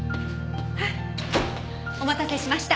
お待たせしました。